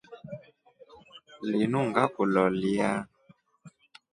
Linu ngakuloleya.